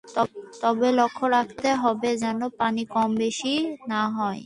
তবে লক্ষ্য রাখতে হবে যেন পানি কম-বেশি না হয়।